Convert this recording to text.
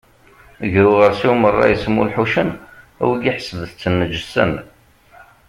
Gar uɣersiw meṛṛa yesmulḥucen, wigi ḥesbet-ten neǧsen.